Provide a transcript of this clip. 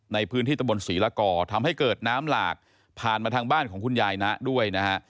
ในพื้นที่ตะบนศรีละก่อทำให้เกิดน้ำหลากผ่านมาทางบ้านของคุณยายนะด้วยนะฮะ